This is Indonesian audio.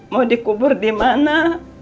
mau dikubur di mana